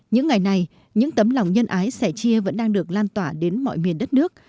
những ngày này những tấm lòng nhân ái sẻ chia vẫn đang được lan tỏa đến mọi miền đất nước